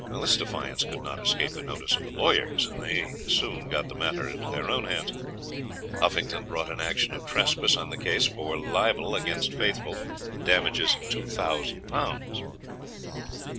This defiance could not escape the notice of the lawyers, and they soon got the matter into their own hands. Huffington brought an action of trespass on the case for libel against Faithful, damages 2,000 pounds.